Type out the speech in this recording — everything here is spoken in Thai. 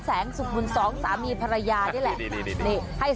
แสงสุขบุญสองสามีภรรยานี่แหละดีดีดีดีดี